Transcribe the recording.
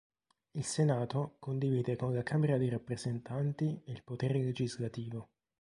Il Senato condivide con la Camera dei Rappresentanti il potere legislativo.